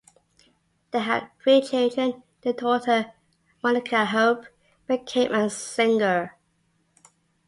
They had three children; their daughter, Monica Hope, became a singer.